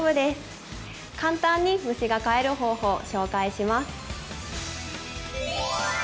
簡単に虫が飼える方法紹介します。